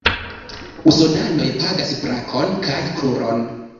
Usonanoj pagas brakon kaj kruron.